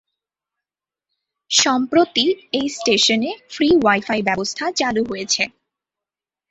সম্প্রীতি এই স্টেশনে ফ্রি ওয়াইফাই ব্যবস্থা চালু হয়েছে।